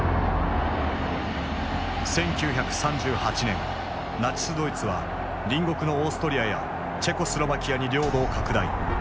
１９３８年ナチスドイツは隣国のオーストリアやチェコスロバキアに領土を拡大。